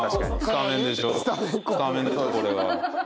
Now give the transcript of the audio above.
スタメンでしょこれは。